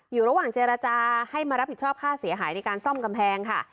อยู่ระหว่างเจรจาให้มารับผิดชอบค่าเสียหายในการซ่อมกำแพงค่ะ